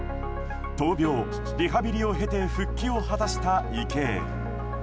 闘病・リハビリを経て復帰を果たした池江。